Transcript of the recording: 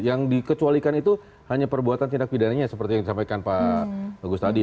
yang dikecualikan itu hanya perbuatan tindak pidananya seperti yang disampaikan pak agus tadi